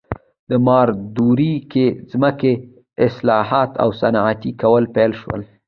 د ماو دورې کې ځمکې اصلاحات او صنعتي کول پیل شول.